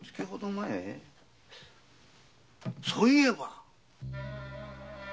おうそういえば。